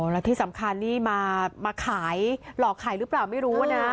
แล้วที่สำคัญนี่มาขายหลอกขายหรือเปล่าไม่รู้นะ